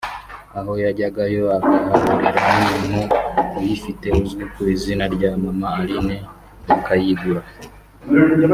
aho yajyagayo akahahurira n’umuntu uyifite uzwi ku izina rya mama Aline bakayigura